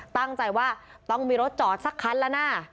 ตั้งใจว่าต้องมีรถจอดสักคันแล้วนะ